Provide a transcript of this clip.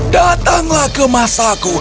datanglah ke masaku